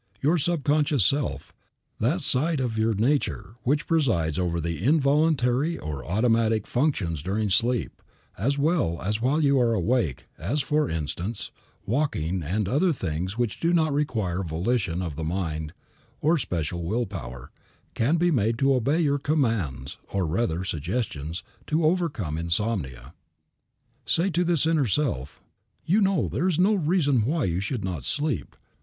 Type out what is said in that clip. Your subconscious self, that side of your nature which presides over the involuntary or automatic functions during sleep, as well as while you are awake, as, for instance, walking, and other things which do not require volition of the mind or especial will power, can be made to obey your commands, or rather suggestions, to overcome insomnia. Say to this inner self: "You know there is no reason why you should not sleep.